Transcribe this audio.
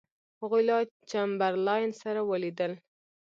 هغوی له چمبرلاین سره ولیدل.